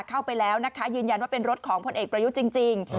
เข้าไปแล้วนะคะยืนยันว่าเป็นรถของพลเอกประยุทธ์จริง